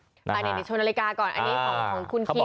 เอาหน่อยชมนาฬิกาก่อนอันนี้ของคุณคิวใช่ไหม